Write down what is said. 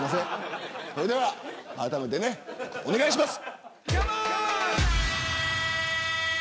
それではあらためてお願いします。